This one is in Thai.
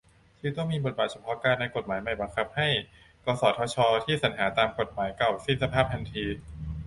จึงต้องมีบทเฉพาะการ ในกฏหมายใหม่บังคับให้ กสทช ที่สรรหาตามกฎหมายเก่าสิ้นสภาพทันที